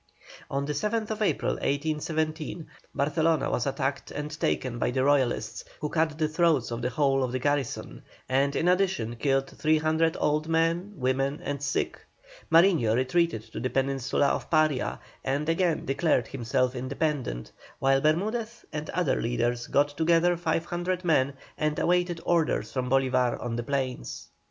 On the 7th April, 1817, Barcelona was attacked and taken by the Royalists, who cut the throats of the whole of the garrison, and in addition killed 300 old men, women, and sick. Mariño retreated to the peninsula of Paria and again declared himself independent, while Bermudez and other leaders got together 500 men and awaited orders from Bolívar on the plains.